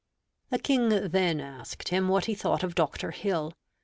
The King then asked him what he thought of Dr. Hill.